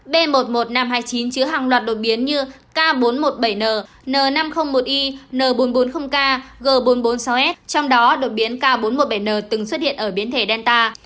b một mươi một nghìn năm trăm hai mươi chín chứa hàng loạt đột biến như k bốn trăm một mươi bảy n năm trăm linh một i n bốn trăm bốn mươi kg g bốn trăm bốn mươi sáu s trong đó đột biến k bốn trăm một mươi bảy n từng xuất hiện ở biến thể delta